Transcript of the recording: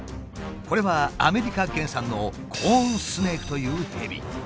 これはアメリカ原産のコーンスネークというヘビ。